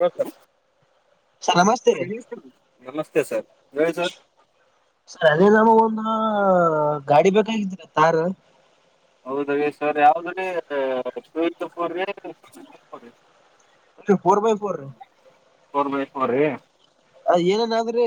ಹ ಸ ಸರ್ ಹೇಳಿಸ ನಮಸ್ತೆ ಸರ್ ಹೇಳಿ ಸರ್ ಸದರಮ ಒಂದ್ ಹಾಆ ಗಾಡಿ ಬೇಕಾಗಿತ್ ತ್ತರಿ ಹೌದ ಯೆಸ್ ಸರ್ ಯಾವ್ದ್ ರೀ ತುವಿಕ್ಸು ಪೊರ್ರಿ [unintelligible] ರಿ ಫೋರ್ ಬೈಫೋರ್ ಫೋರ್ ಬೈ ಫೊರ್ರಿ ಅಣ ಏನಾದ್ರಿ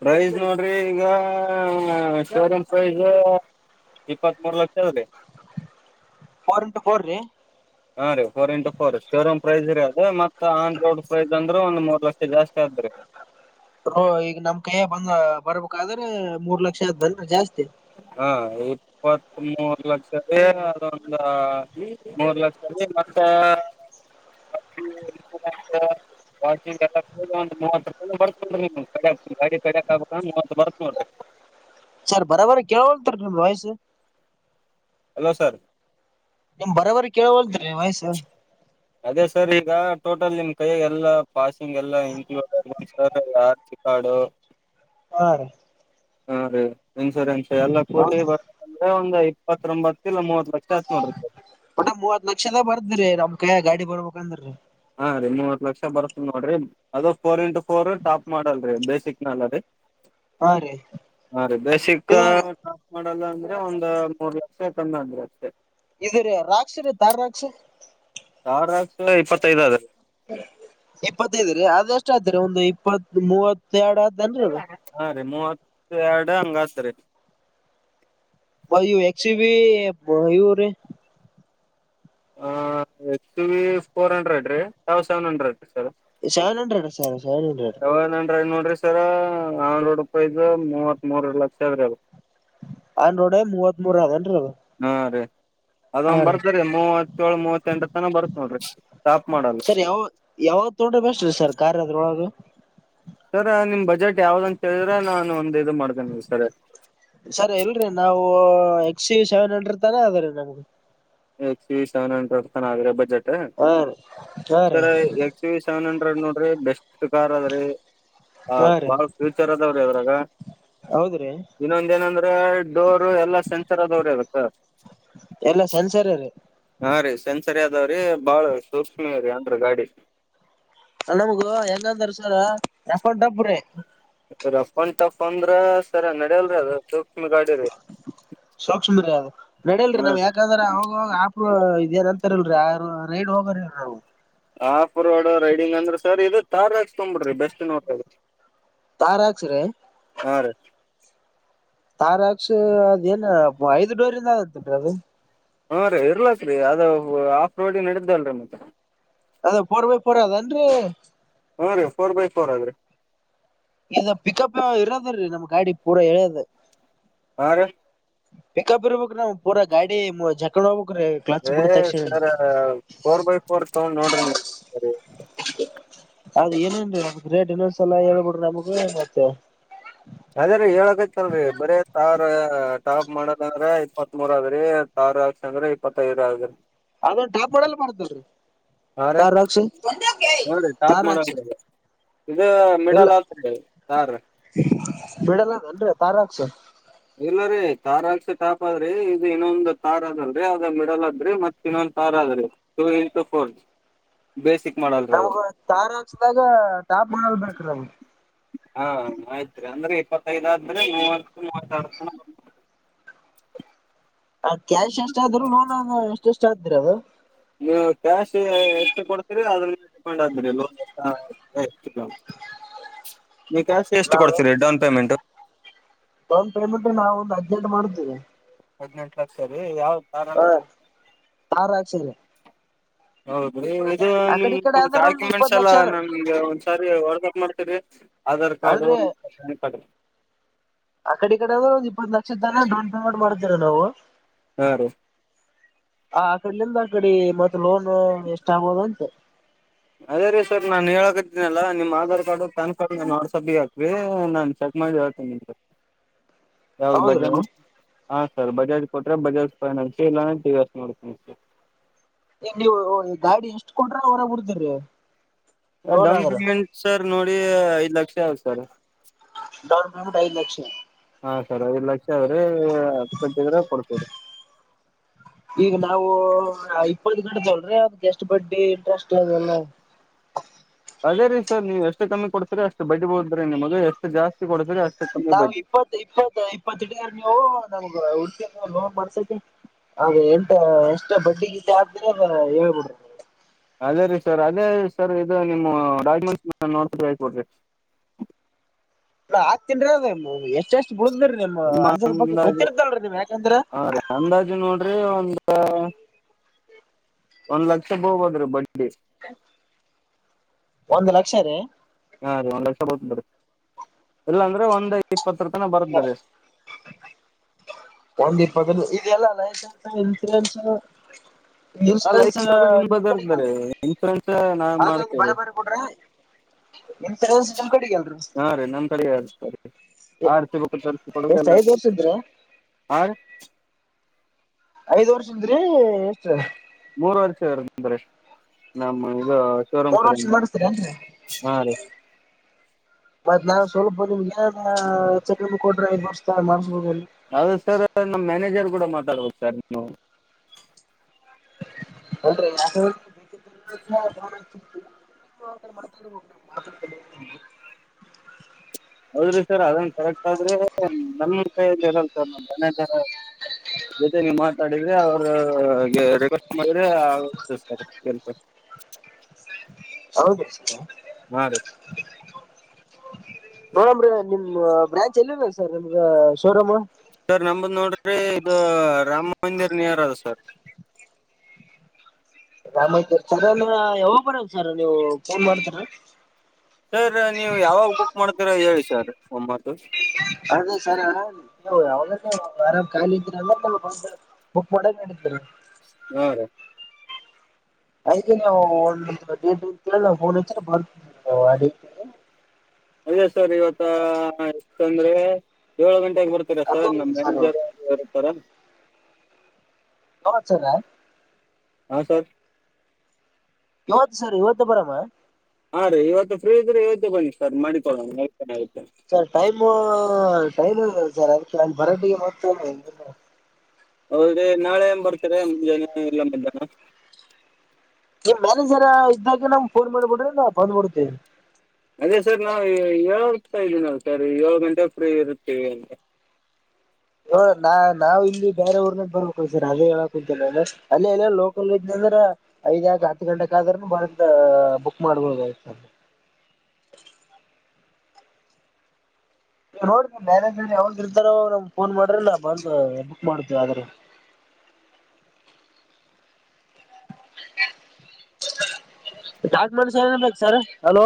ಪ್ರೈಸ್ ನೋಡ್ರಿ ಈಗಾಆ ಫೋರ್ ಅಂಡ್ ಪೈವ್ದು ಇಪ್ಪತ್ತ್ಮೂರು ಲಕ್ಷ ಅಲ್ರಿ ಫೋರ್ ಇಂಟು ಫೋರ್ ರಿ ಹಾ ರಿ four into four showroom price ರಿ ಅದು ಮತ್ತ ಆನ್ ರೋಡ್ ಪ್ರೈಸ್ ಅಂದ್ರ ಒಂದ್ ಮೂರ್ ಲಕ್ಷ ಜಾಸ್ತಿ ಆದ್ರಿ ಬ್ರೋ ಈಗ ನಮ್ ಕೈಯ ಬಂದ್ ಬರ್ಬೇಕಾದ್ರೆ ಮೂರ್ ಲಕ್ಷ ಆಯ್ತ ಬಂದ್ ಜಾಸ್ತಿ ಹಾ ಇಪ್ಪತ್ ಮೂರು ಲಕ್ಷವೇ ಅದೊಂದ ಮೂರ್ ಲಕ್ಷ ಮತ್ತೆ [unintelligible] ವಾಷಿಂಗ್ ಎಲ್ಲಾ ಸೇರಿಸಿ ಒಂದು ಮೂವತ್ತು ಲಕ್ಷ ಬರುತ್ತೆ ನೋಡಿ ಗಾಡಿ ಮೇಲೆ ಒಂದು ಮೂವತ್ತು ಬರುತ್ತೆ ನೋಡಿ [inaudible] ಸರ್ ಬರೊಬರ್ರಿ ಕೇೇಳಳ್ತರಿ ನಿಮ್ದ್ ವಾಯಿಸ್ಸು ಹಲೋ ಸರ್ ನಿಮ್ ಬರೊಬರಿ ಕೇಳವಲ್ದ್ ರಿ ವಾಯ್ಸು ಅದೇ ಸರ್ ಈಗ ಟೋಟಲ್ ನಿಮ್ ಕೈಯ ಎಲ್ಲಾ ಪಾಸಿಂಗ್ ಎಲ್ಲಾ ಇನ್ಕ್ಲೂಡ್ ಆಗಿ [unintelligible] ಸರ್ ಯಾರ್ ಕಾಡು ಹಾ ರಿ ಹಾ ರೀ ಇನ್ಸೂರೆನ್ಸ್ ಎಲ್ಲಾ ಕೂಡಿ ಹೌದ್ರಿ ಬರ್ಬೇಕಂದ್ರೆ ಒಂದು ಇಪ್ಪತ್ರೊಂಬತ್ ಒಟ್ಟು ಮೂವತ್ ಲಕ್ಷನೆ ಬರ್ದ್ರಿ ನಮ್ ಕೈಯಗೆ ಗಾಡಿ ಬರ್ಬೇಕಂದ್ರೀ ಹಾ ರೀ ಮೂವತ್ ಲಕ್ಷ ಬರ್ತದ ನೋಡ್ರಿ ಅದು four into four top model ರೀ ಬೇಸಿಕ್ ನ ಅಲ್ಲರೀ ಹಾ ರೀ ಬೇಸಿಕ್ ಇದು ಟಾಪ್ ಮಾಡೆಲ್ ಅಂದ್ರಿ ಒಂದ್ ಮೂರು ಲಕ್ಷ ಕಮ್ಮಿ ಅಂದ್ರೆ ಅಷ್ಟೇ ಇದರೀ Roxx Thar Roxx Thar Roxx ಇಪತ್ತು ಐದು ಆದರಿ ಇಪ್ಪತ್ತೈದ ರೀ ಅದ ಎಷ್ಟ ಆದತರಿ ಒಂದು ಇಪ್ಪತ್ ಮೂವತ್ತ ಎರಡು ಆದೇನ್ರೀ ಅದು ಹಾ ಮೂವತ್ತೆರಡು ಹಂಗತ್ರಿ ಫೈವ್ ಯಾಕ್ಸ್ ಬಿ ಇವರಿ H two V four hundred ರೀ ತೌ ಸೆವೆನ್ ಹಂಡ್ರೆಡ್ ರೀ sir seven hundred sir seven hundred ಅಂದ್ರಿ ಸರ್ ಆನ್ ರೋಡ್ ಪ್ರೈಸ್ ಮೂವತ್ ಮೂರ ಲಕ್ಷ ಆದದ್ರಿ ಆನ್ ರೋಡ್ ಮೂವತ್ತ್ ಮೂರು ಅದೇನ ಹಾ ಅದೇ ಅದೊಂದ್ ರೀ ಬರ್ತಾರಿ ಮೂವತ್ತ ಏಳು ಮೂವತ್ತೆಂಟ ತನ ಬರ್ತ್ ನೋಡ್ರಿ ಟಾಪ್ ಮಾಡೆಲ್ ತಕೊಂಡ್ರೆ ಬೆಸ್ಷ್ಟ ರೀ ಸರ್ ಕಾರ್ ಅದ್ರೊಳಗೆ ಸರ್ ನಿಮ್ ಬಜೆಟ್ ಯಾವ್ದ ಅಂತ ಹೇಳಿದ್ರೆ ನಾನು ಒಂದ ಇದು ಮಾಡ್ತೀನಿ ಸರ್ ಸರಿ ಎಲ್ರಿ ನಾವು ಎಕ್ಸ ವಿ ಸೆವೆನ್ ಹಂಡ್ರೆಡ್ ತಾನೇ ಅದ ರೀ ನಮ್ಗೆ X V seven hundred budget ಹಾ ರೀ ಹಾ ರೀ sir X V seven hundred ನೋಡ್ರಿ ಬೆಸ್ಟ್ ಕಾರ್ ಅದ್ರೀ ಆ ಹಾ ರೀ ಬಾಳ ಫ್ಯೂಚರ್ ಅದಾವ್ರಿ ಅದ್ರಾಗ ಹೌದ್ರಿ ಇನ್ನೊಂದ ಏನಂದ್ರೆ ಡೋರ್ ಎಲ್ಲಾ ಸೆನ್ಸರ್ ಆದವರಿ ಅದಕ ಎಲ್ಲ ಸೆನ್ಸರ್ ರೀ ಹಾ ರೀ ಸೆನ್ಸರಿ ಅದಾವ್ರೀ ಬಾಳ ಸೂಕ್ಷ್ಮ್ರೀರೀ ಅಂದ್ರ ಗಾಡಿ ಹೆಂಗ ತರಸದ್ದ ರಫ್ ರಫ್ ಅನ್ ಟಫ್ ಅಂದ್ರ ಸರ್ ನೆಡಲ್ರಿ ಅದು ಸೂಕ್ಷ್ಮ್ರೀ ಅದು ನೆಡಲ್ರರಿ ಹಾ ನಾವ್ ರೀ ಯಾಕಂದ್ರೆ ಅವಾವಾಗ ಹ ಇದೇನ್ ಅಂತಾರಲ್ರಿ ಆ ರೈಡ್ ಹೋಗಾರಲ್ರಿ ನಾವು ಆಫ್ ರೋಡ್ ರೈಡಿಂಗ್ ಅಂದ್ರೆ ಸರ್ ಇ ತಾರ್ ಹಾಕಿಸ್ಕೊಬೇಡ್ರಿ ಬೆಸ್ಟ್ ನೋಡ್ರಿ ಅದು ತಾರ್ ಹಾಕ್ಸಿರಿ ಹಾ ರೀ ಟಾರ್ ಹಾಕಿಸಿ ಅದ ಏನ್ ಐದ್ ಡೋರಿಂದ ಆಗತ್ನ್ರಿ ಅದು ಹ್ಮ ಇರ್ಲಾಕ್ ರೀ ಅದು ಆಫ್ ರೋಡಿ ನಡ್ದಲ್ರಿ ಮತ್ತ ಅದ ಫೋರರ್ ಒನ್ ಫೋರ್ ಅದಲ್ರಿ ಹು ರೀ ಫೋರ್ ಬೈ ಫೋರ್ ಅದ್ರಿ ಇಲ್ಲ ಪಿಕಪ್ ಇರದ್ರೀ ನಮ್ಮ್ ಗಾಡಿ ಪೂರಾ ಹೇಳ್ಯದ ಹರೀ ಪಿಕಪ್ ಇರಬೇಕುರೀ ಪೂರಾ ಗಾಡಿ ಜಕಣ್ಣ ಏ ಸರ್ ಫೋರ್ ಬೈ ಫೋರ್ ತಗೊಂಡ್ ನೋಡ್ರಿ ಈ ಸರಿ ಅದು ಏನೇನ್ರಿ ರೇಟ್ ಇನ್ನೊಂದು ಸಾಲ ಹೇಳ್ಬಿಡ್ರಿ ನಮಗೆ ಮತ್ತೆ ಅದೇರೀ ಹೇಳಕೈತಲ್ರಿ ಬರೀ ಟಾರ್ ಟಾಪ್ ಮಾಡದ್ರ ಇಪ್ಪತ್ ಮೂರ ಅದ್ರಿರೀ ಟಾರ್ ಅಂದ ಅಂದ್ರೆ ಇಪ್ಪತ್ತೈದು ಆಗ್ರರಿ ಅದು ಟಾಪ್ ಮಾಡೆಲ್ ಬರುತ್ತೆ ನೋಡ್ರಿ ಹಾ ರೀ ಟಾರ್ ಹಾಕಿಸು ಹಾ ರೀ ಟಾಪ್ ಟಾರ್ ಹಾಕಿಸು ಮಾಡೋದ್ರಿ ಇದು ಇಲ್ಲ ಮಿಡಲ್ ಆತ್ರಿ ತಾರ್ ಬಿಡಲ್ಲನ್ರಿ ಫೋರಮ್ಸ್ ಇಲ್ಲರೀ ತಾರ್ ಅಷ್ಟೇ ಟಾಪ್ ಆದರಿ ಇದು ಇನ್ನೊಂದ್ ತಾರ್ ಅದಲ್ರರಿ ಅದು ಮಿಡಲ್ ಆದ್ರಿ ಮತ್ತ ಇನ್ನೊಂದ ಟಾರ್ ಆದ್ರರೀ ಟೂ ಇಂಟು ಫೋರ್ ಬೇಸಿಕ್ ಮಾಡಲ್ರೀ ಅದು ಟಾರ್ ಹಾಕಿಸಿದಾಗ ಟಾಪ್ ಮಾಡಲ್ ಬೇಕ್ರಿ ನಮಗೆ ಹಾ ಆಯ್ತ್ರಿ ಅಂದ್ರೆ ಇಪ್ಪತ್ತೈದಾದ್ರೆ ಮೂವತ್ತು ಮೂವತ್ ಆರು ಅ ಕ್ಯಾಶ್ ಎಷ್ಟಾದ್ರು ಲೋನ್ ಎಷ್ಟ ಎಷ್ಟ ಆದ್ರಿ ಅದು ನೀವು [unintelligible] ನೀ ಕ್ಯಾಶ್ ಎಷ್ಟು ನಾವ್ ಕೊಡ್ತೀರಿ ಡೌನ್ ಪೇಮೆಂಟ್. ಡೌನ್ ಪೇಮೆಂಟ್ ನಾವು ಒಂದು ಆದಿನೆಂಟು ಮಾಡ್ತೇವಿ. ಹದಿನೆಂಟು ಲಕ್ಷ ರೀ ಯಾವ. ತಾರ್ ಹ ಆರಚಲ್ಲ. ಇ [unintelligible] ನಿಮ ಒಂದ್ ಡಾಕ್ಯುಮೆಂಟ್ಸ್ ಇಪ್ಪತ್ ಎಲ್ಲಾ ಲಕ್ಷ ನಮ್ಗೆ ಒಂದ್ಸರಿ ವಾಟ್ಸಪ್ ಮಾಡ್ತೀರಿ. ಆಧಾರ್ ಅಲ್ ಕಾರ್ಡು ರಿ ಪ್ಯಾನ್ ಕಾರ್ಡ್ ಆ ಕಡೆ ಈ ಕಡೆ ಆದ್ರೆ ಒಂದು ಇಪ್ಪತ್ ಲಕ್ಷ. [unintelligible] ಪೇಮೆಂಟ್ ಮಾಡ್ವಿ ನಾವು. ಹಾ ರ. ಆ ಆ ಕಡ್ಲಿಂದ ಆಕಡಿ ಮತ್ತ ಲೋನ್ ಎಷ್ಟ ಆಗೋದಂತೆ. ಅದೇ ರೀ ಸರ್ ನಾನ್ ಹೇಳಕತಿನನಲ್ಲಾ ನಿಮ್ ಆಧಾರ್ ಕಾರ್ಡ್ ಪ್ಯಾನ್ ಕಾರ್ಡ್ ನ ನಡ್ ಸಿ ಹಾಕ್ರೀ ನಾನ್ ಸ. ಹ ಚೆಕ್ ಮಾಡಿ ಹೇಳ್ತೀನಿ ನಿಮಗ. [unintelligible] ಹೌದ್ರಿ ಸರ್ ಬಜಾಜ್ ಕೊಟ್ರೆ ಬಜಾಜ್ ಫೈನಾನ್ಸಿ ಇಲ್ಲ ಟಿ ವಿ ಎಸ್ ನೋಡ್ತೀನಿ ಸರ್ ಈ ನೀವು ಗಾಡಿ ಎಷ್ಟ್ ಕೊಡ್ರ ಹೊರ ಬಿಡ್ತೀರಿ. ಲೋನ್ ಡೌನ್ ಆದ್ರ ಪೇಮೆಂಟ್ ಸರ್ ನೋಡಿ ಐದ್ ಲಕ್ಷ ಆ ಸರ್. [unintelligible] ಐದು ಲಕ್ಷ. ಹಾ ಸರ್ ಐದು ಲಕ್ಷ ಆದ್ರೆ ಆತ್ ಕಟ್ಟಿದ್ರ ಕೊಡಬಹುದು. ಈಗ ನಾವು ಇಪ್ಪತ್ ಗಂಟದಲ್ ಅದ ಎಷ್ಟ್ ಬಡ್ಡಿ ಇಂಟ್ರೆಸ್ಟ್ ಅಲ್ಲ. ಅದೇ ರೀ ಸರ್ ನೀವು ಎಷ್ಟು ಕಮ್ಮಿ ಕೊಡ್ತೀರಿ ಅಷ್ಟು ಬಡ್ಡಿಬೋದ್ರೀ ನಿಮ್ಮ ಮಗ ಎಷ್ಟು ಜಾಸ್ತಿ ಕೊಡ್ತೀರಿ ಅಷ್ಟು. ಕಮ್ಮಿ ನಾವು ಬಡ್ಡಿ ಇಪ್ಪತ್ ಇಪ್ಪತ್ ಇಪ್ಪತ್ತುಡಾರ ನೀವು ನಮಗ ಉಳಿದಿದ್ದು ಲೋನ್ಮಾಡ್ಸತಿ. ಅದೇ ಎಂಟ ಎಷ್ಟ ಬಡ್ಡಿ ಗೀತೆ ಹಾಕ್ದ್ರ ಹೇಳ್ಬಿಡ್ರಿ. ಇಲ್ಲೇ ರೀ ಸರ್ ಅದೇ ಸರ್ ಇದು ನಿಮ್ಮ ಡಾಕ್ಯುಮೆಂಟ್ಸ್ ನೋಡ್ಬ ಕೊಡ್ರಿ. [inaudible] ಇ ಹಾಕ್ತನ್ ರಿ ಅದ ಎಷ್ಟಷ್ಟು. ಉಳ್ದ್ರಿ ನಿಮ್ ನಿಮ್ಮ ಅಂಜದ ಬಗ್ಗೆ ಅಂದಾಜು ಗೊತ್ತಿರ್ತಲ್ರಿ ನೀಮ್ ಯಾಕಂದ್ರ. ಹಾ ಅಂದಾಜು ನೋಡ್ರಿ [unintelligible] ಒಂದ್ ಲಕ್ಷ ಹೋಗಬೋದ್ರೀ ಬಡ್ ಒಂದು ಲಕ್ಷ ರೀ. ಹಾ ಅದೀ ಒಂದ್ ಲಕ್ಷ [unintelligible] ಬಿಡ ಇಲ್ಲಾಂದ್ರೆ ಒಂದ. ಇಪ್ಪತ್ತು ರೂಪಾಯಿ ನ ಬರುತ್ತದೆ. ಒಂದ್ ಇಪ್ಪತ್ತ ಇದೆಲ್ಲ ಲೈಸೆನ್ಸ್ ಇನ್ಸೂರೆನ್ಸ್. ಆ ಇನ್ಸೂರೆನ್ಸ್ ಲೈಸೆನ್ಸ್ ಅದ ನಿಮ್ ನಿಮ್ದರ್ದ್ರ ಕಡೆಗೆ ಅಲ್ರಿ ಇನ್ಸೂರೆನ್ಸ್ ನಾ ಅದೊಂದು ಬರ ಮಾಡ್ತೇವೆ. ಬರ ಕೊಟ್ರ ಇನ್ಸೂರೆನ್ಸ್ ನಿಮ್ ಕಡೆಗೆ ಅಲ್ರಿ ಹಾ ರೀ ನಮ್ ಕಡೆ ಹೇಳ್ತಾರ ರಿ. [unintelligible] ಎಷ್ಟ್ ಐದ್ ವರ್ಷದ್ರಿ ಹ. ಐದು ವರ್ಷಂದ್ರಿ ಎಷ್ಟ. ಮೂರ್ ವರ್ಷ ಇಂದ್ರೆ ನಮ್ಮ್. ಶೋರೂಮ ಮೂರ್ ಕಡೆ ವರ್ಷ ಇಂದ ಮಾಡಿಸ್ತೀರಿ ಏನ್ರಿ ಹಾ ರೀ. ಮತ್ ನಾವ್ ಸ್ವಲ್ಪ ನಿಮ್ಗೆ ಏನ್ ಎಚ್ಚರಿ ಕೊಟ್ರೆ ಐದು ವರ್ಷ ಮಾಡಿಸಬೋುದಲ್ಲಿ. ಅದು ಸರ್ ನಮ್ಮ್ ಮ್ಯಾನೇಜರ್ ಕೂಡ ಮಾತಾಡ್ಬೋದು ಸರ್ ನೀ. [unintelligible] [unintelligible] [inaudible] ಹೌದ್ರಿ ಸರ್ ಅದನ್ ಕರೆಕ್ಟ್ ಆದ್ರೆ ನಮ ಕೈಯಲ್ಲಿ ಇರಲ್ ಸರ್ ನಮ್ ಮನ ಜರ ಜೊತೆ ನೀ ಮಾತಾಡಿದ್ರಿ ಅವ್ರ ಕ್ವೆಸ್ ಮಾಡ [unintelligible] ಹೌದು. ಹಾ ರೀ. ನೋಡ ನಿಮ ಬ್ರಾಂಚ್ ಎಲ್ಲಿ ಇ ಸರ್ ನಿಮ್ಗ ಶೋರೂಮ್. ನಮದು ನೋಡ್ರಿ ಇದು ರಾಮ ಮಂದಿರ್ ನಿಯರ್ ಅದು ಸರ್. ರಾಮಾಯ ಸರ್ ಅಂದ್ರ ಯಾವಾಗ ಬರದು ಸರ್ ನೀವು ಫೋನ್ ಮಾಡ್ತರ. ಸರ್ ನೀವು ಯಾವಾಗ ಬುಕ್ ಮಾಡ್ತೀರಾ ಹೇಳಿ ಸರ್ ಒಂಬತ್ತು. ಅದೇ ಸರ ನೀವು ಅವಾಗ ಆರಾಮ್ ಖಾಲಿ ಇದ್ರ ಅಂದ್ರೆ ಬುಕ್ ಮಾಡ. [inaudible] ಹಾ ರೀ ಹಾಗ ನಾವು ಒ ಡೇಟ್ ಅಂತೇಳಿ ನಾವು ಫೋನ್ ಹಚ್ಚ ಬರ್ತ ನವು ಆ ಡೇಟ್ಲ್ಲಿ ಅದೇ ಸರ್ ಇವತ್ತ ಎಷ್ಟಂದ್ರೆ ಏಳ ಗಂಟೆ ಬರ್ತೀರಾ ಸರ್ ನಮ್ಮ ಮ್ಯೇಜರ್ ಇರ್ತಾರ ಹ ಚಲ್ಲ ಹಾ ಸರ್ ಇವತ್ತು ಸರ್ ಇವತ್ತು ಬರಮ್ಮ ಹಾ ರೀ ಇವತ್ತು ಫ್ರೀ ಇದ್ರೆ ಇವತ್ತು ತಗೊಂಡಿ ಸರ್ ಮಾಡಿಕೊಳ್ಳೋಣ ಸರ್ ಟೈಮ್ ಟೈಮ್ ಸರ್ ಅದಕ್ಕೆ ನ ಬರೋಡಿಗೆ ಮತ್ತ ಹೌದಿ ನಾಳೆ ಬರ್ತರ ಮುಂಜಾನೆ ಎಲ್ಲ ಮಧ್ಯಾಹ್ನ ನಿ್ ಮ್ಯಾನೇಜರ್ ಇದ್ದಾಗೆ ನಮ ಫೋನ್ ಮಾಡ್ಬಿಡ್ರಿ ನಾ ಬಂದ್ಬಿಡ್ತೇ ಅದೇ ಸರ್ ನಾವವು ಏಳ್ತಾ ಇದ್ದೀನ ಅ ಸರ್ ಏಳು ಗಂಟೆ ಫ್ರೀ ಇರುತ್ತೇವಿ ಅಂದ ನಾ ನಾವವು ಇಲ್ಲಿ ಬೇರೆ ಊರ್ನಾಗ ಬರ್ಬೇಕು ಸರ್ ಅದೇ ಹೇಳಕ್ ಅಂತ ಅಲ್ಲಿ ಎ ಲೋಕಲ್ ವಜ್ ್ರ ಐದ್್ಯಾಗ ಹತ್ತು ಗಂಟಕ ಆದ್ರ ಬಂದ ಬುಕ್ ಮಾಡ್ಬಹದು ಆಯ್ತ ಸ [unintelligible] ಅ ನೋಡ್ತ ಮಾರೇಜ ಯಾವ್ದ ಇರ್ತಾರೋ ನಮ್ ಫೋನ್ ಮಾಡ್ರೆ ನಾವು ಬ ಬುಕ್ ಮಾಡ್ತೇವಿ ಆದ್ರ ಹ ಹ ಚಾಜ್ಮಂಡ ಸನ್ ಬು sir hello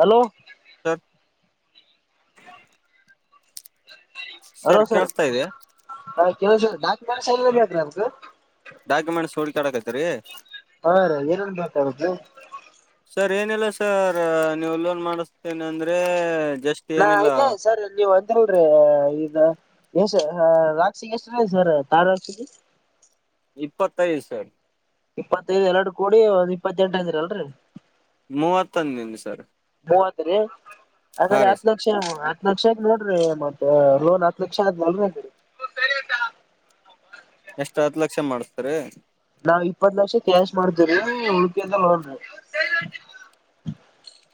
hello sir hello sir ಕೇಳಿಸ್ತಾ ಇದೆ ಹ ಕೆಲ ಸರ್ ದಾಕ ಸತ್ರಮ ಸ ಡಕತರಿೀ [unintelligible] ಹಾ ರ ಏನನ್ ಮಾತಾಡ್ದದು ಸರ್ ಏನಲ್ಲ ಸರ್ ನೀವು ಲೋನ್ ಮಾಡಿಸತೇನೆ ಅಂದ್ರೆ ಜಸ್ಟ್ ನಾ ಏನಿಲ್ಲ ಇದೇ ಸರಿ ನೀವ್ ಅಂದಿಲ್ರಿ ಈದು ಎಷ್ಟ ರಾಕ್ಷಿಿಗೆ ಎಷ್ಟ ರ ಸರ್ ತಾರ ರಾಕ್ಷಿಿಗೆ ಇಪ್ಪತ್ತೈದು ದಿವಸಿ ಇಪ್ಪತ್ತೈದು ಎರಡು ಕೋಡಿ ಒ ಇಪ್ಪತ್ತೆಂಟ ಐದರ ಅಲ್ರರಿ ಮೂವತ್ತಂದಿನ ಸರ್ ಮೂವತ್ ರೆ ಹಾ ಆಕಡೆ ರೀ ಆತ್ ಸರ್ ಲಕ್ಷಕ್ಷ ಹತ್ ಲಕ್ಷಗ್ ನೋಡ್ರಿ ಮತ್ತ ಲೋನ್ ಹತ್ ಲಕ್ಷ ಆದಗ್ ನಲ್ ಎಷ್ಟ್ ಹತ್ತು ಲಕ್ಷ ಮಾಡ್ತಾರ ನಾವ್ ಇಪ್ಪತ್ ಲಕ್ಷ ಕ್ಯಾಶ್ ಮಾಡ್ತೇ್ರ ಉಡುಪಿಯಿಂದ ಲೋನ್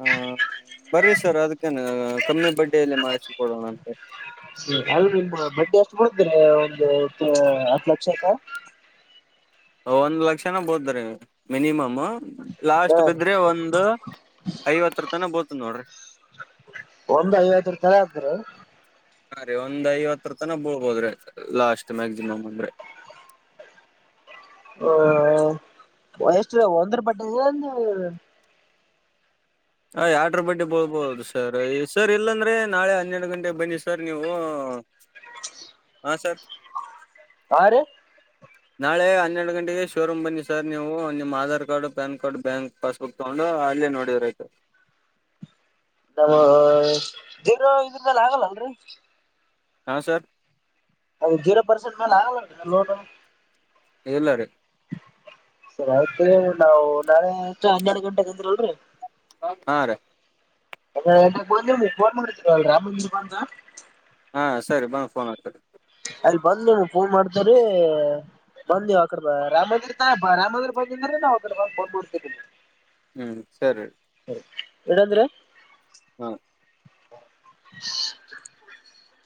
ಹ ಬರರಿ ಸರ್ ಅದಕ್ಕನೆ ಕಮ್ಮಿ ಬಡ್ಡಿಯಲ್ಲಿ ಮಾಡಿಸಿಕೊಡೋಣ ಅಂತೆ ಅಲ್ ನಿಮ್ಮ ಬಡ್ಡಿ ಎಷ್ಟು ಬಿಡಿದ್ರಿ ಒಂದು ಇತ್ತು ಹತ್ ಲಕ್ಷಕ್ಕ ಒಂದ್ ಲಕ್ಷನ ಬೋದ್ರೀ ಮಿನಿಮಮ್ ಲಾಸ್ಟ್ ಹಾ ರೀ ಬಿದ್ರೆ ಒಂದು ಐವತ್ತರ ತನ ಬೋತದ ನೋಡ್ರಿ ಒಂದ್ ಐವತ್ತು ರ ತರ ಆಗ್್ರ ಹಾ ರೀ ಒಂದ್ ಐವತ್ತ ತನ ಬಳ್ಬೋದ್ರಿ ಲಾಸ್ಟ್ ಮ್ಯಾಕ್ಸಿಮಮ್ ಅಂದ್ರೆ ಹಷ್ಟ ಒಂದರ ಪಟ್ಟದ ಅಂತ ಅಯ್ ಆಡ್ರ ಬಟ್ಟಿ ಬಳ್ಬೋದು ಸರ್ ಸರ್ ಇಲ್ಲಾಂದರೆ ನಾಳೆ ಹನ್ನೆರಡು ಗಂಟೆ ಬನ್ನಿ ಸರ್ ನೀವು ಉ ಹಾ ಸರ್ ಯ ರ [unintelligible] ನಾಳೆ ಹನ್ನೆರಡು ಗಂಟೆಗೆ ಶೋರೂಮ್ ಬನ್ನಿ ಸರ್ ನೀವು ನಿಮ್ಮ Aadhaar card PAN card bank passbook ತಗೊಂಡು ಹ ಅಲ್ಲೇ ನೋಡಿದ್ರ ಆಯ್ತು [unintelligible] ಇದ್ರಲ್ಲ ಆಗಲ್ಲಲ್ರರಿ ಹಾ ಸರ್ ಅದು ಜೀರೋ ಪರ್ಸೆಂಟ್ ಮೇಲೆ ಆಗ ಲೋನು ಎಲ್ಲಾರಿ ಸರಿ ಆಯ್ತು ನಾವು ನಾಳೆ ಅತ್ರ ಹನ್ನೆರಡು ಗಂಟೆಗೆಂದಿರಲ್ರಿ. ಹಾ ರೀ [unintelligible] ಹಾ ಸರಿ ಬಂದ್ ಫೋನ್ ಹಚ್ರಿ ಅಲ್ಲಿ ಬಂದ್ ನಿಮ್ ಫೋನ್ ಮಾಡ್ತ್ರೀ ಬಂದ್ ನೀವು ಅಕಡೆ ಬ ರಾಮ ಮಂದಿರ ತ ಬ ರಾಮ ಮಂದಿರ್ ಬಂದಿದ್ರ ನಾವು [unintelligible] ಹ್ಮ್ ಸರಿ ಇಡಂದ್ರೆ ಹಾ [inaudible]